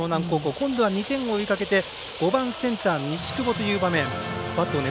今度は２点を追いかけて５番センター、西窪という場面。